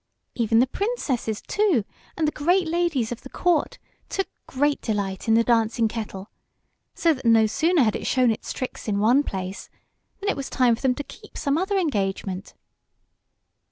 Even the Princesses, too, and the great ladies of the court, took great delight in the dancing kettle, so that no sooner had it shown its tricks in one place than it was time for them to keep some other engagement.